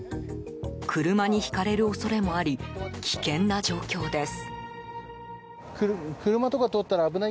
車にひかれる恐れもあり危険な状況です。